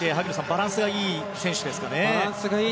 バランスがいいですね。